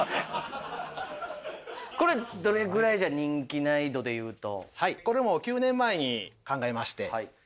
これどれぐらいじゃあ人気ない度で言うと？